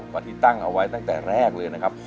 กว่าที่ตั้งเอาไว้ตั้งแต่แรกเลยนะครับ